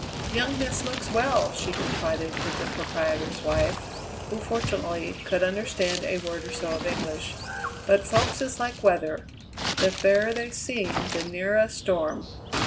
"Young Miss looks well," she confided to the proprietor's wife, who, fortunately, could understand a word or so of English; "but folks is like weather: the fairer they seem, the nearer a storm.